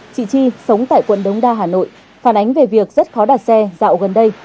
chị chi sống tại quận đống đa hà nội phản ánh về việc rất khó đặt xe dạo gần đây